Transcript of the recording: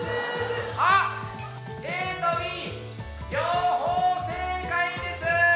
あ、ＡとＢ、両方正解です。